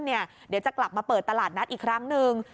เดี๋ยวจะกลับมาเปิดตลาดนัดอีกครั้งหนึ่ง